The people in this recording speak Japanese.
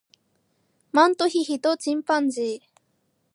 マントヒヒとチンパンジー